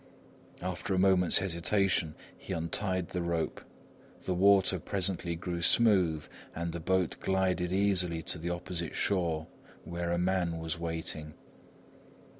After a moment's hesitation, he untied the rope. The water presently grew smooth and the boat glided easily to the opposite shore, where a man was waiting.